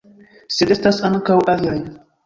Sed estas ankaŭ aliaj.